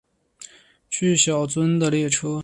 去小樽的列车